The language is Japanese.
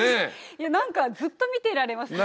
いやなんかずっと見ていられますね